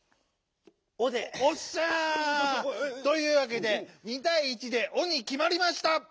というわけで２たい１で「お」にきまりました！